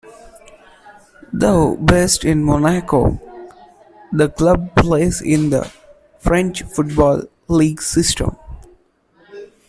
Though based in Monaco, the club plays in the French football league system.